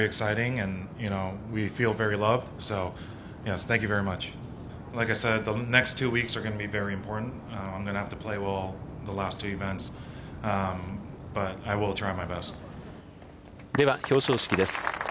では表彰式です。